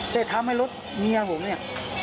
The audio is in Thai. แต่ทำให้รถเมียผมเนี่ย